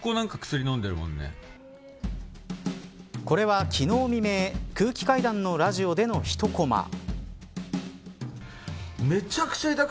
これは、昨日未明空気階段のラジオでのひとコマ。